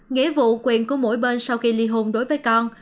nghĩa vụ quyền của mỗi bên sau khi ly hôn đối với con